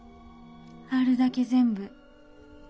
あるだけ全部。